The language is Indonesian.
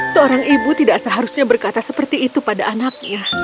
seorang ibu tidak seharusnya berkata seperti itu pada anaknya